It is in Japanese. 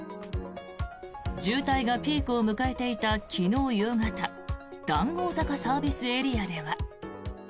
渋滞がピークを迎えていた昨日夕方談合坂ＳＡでは。